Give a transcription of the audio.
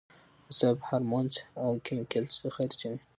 اعصاب هارمونز او کېميکلز خارجوي